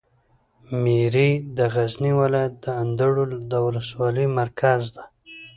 میری د غزني ولایت د اندړو د ولسوالي مرکز ده.